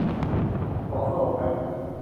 ขอสลบแป๊บ